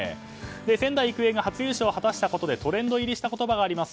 仙台育英が初優勝を果たしたことでトレンド入りした言葉があります。